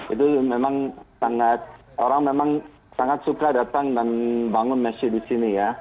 itu memang sangat orang memang sangat suka datang dan bangun messi di sini ya